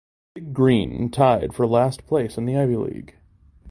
The Big Green tied for last place in the Ivy League.